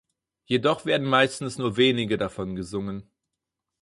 Jedoch werden meistens nur wenige davon gesungen.